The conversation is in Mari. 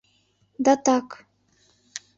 — Да так.